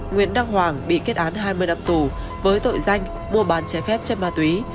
nguyễn đắc hoàng bị kết án hai mươi năm tù với tội danh mua bàn trẻ phép trên ma túy